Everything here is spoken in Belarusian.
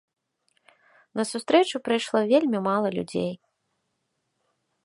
На сустрэчу прыйшло вельмі мала людзей.